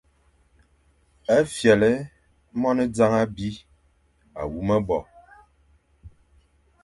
A fyelé monezañ abi à wu me bo,